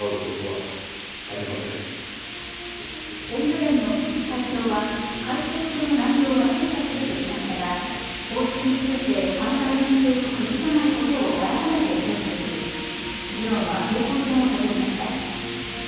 全漁連の岸会長は回答書の内容は精査するとしましたが、放出について、反対の姿勢を崩さないことを改めて強調し議論は平行線をたどりました。